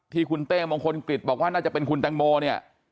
ที่คุณเต้มงคลกฤษบอกว่าน่าจะเป็นคุณแตงโมเนี่ย